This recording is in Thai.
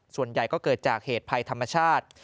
ส่วนใหญ่ก็เกิดจากเหตุภัยธรรมชาติ